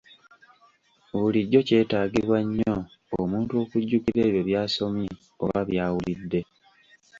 Bulijjo kyetaagibwa nnyo omuntu okujjukira ebyo by'asomye oba by'awulidde.